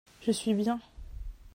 Je suis bien.